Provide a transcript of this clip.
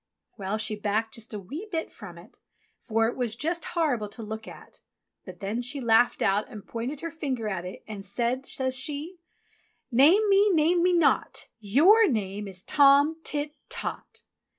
Well, she backed just a wee bit from it, for it was just TOM TIT TOT 37 horrible to look at ; but then she laughed out and pointed her finger at it and said, says she : "Name me, name me not, Your name is Tom TIT TOT."